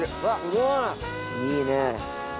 いいね。